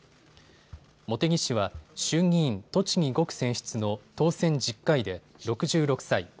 茂木氏は衆議院栃木５区選出の当選１０回で６６歳。